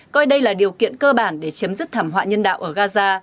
coi đây là điều kiện cơ bản để chấm dứt thảm họa nhân đạo ở cà già